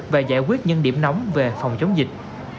và giải quyết những điểm nóng về phòng chống dịch